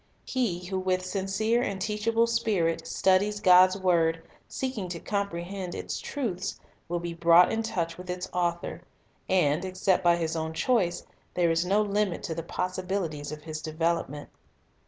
He who with sincere and teachable spirit studies God's word, seeking to com prehend its truths, will be brought in touch with its Author; and, except by his own choice, there is no limit to the possibilities of his development.